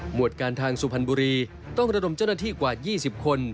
วดการทางสุพรรณบุรีต้องระดมเจ้าหน้าที่กว่า๒๐คน